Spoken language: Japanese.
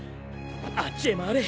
あっちへ回れ！